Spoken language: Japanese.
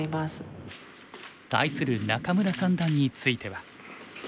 対する仲邑三段については。